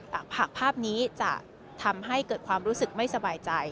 แต่หากภาพนี้จะทำให้เกิดความรู้สึกไม่สบายใจ